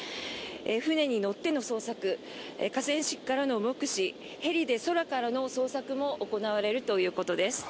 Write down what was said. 船に乗っての捜索河川敷からの目視ヘリで空からの捜索も行われるということです。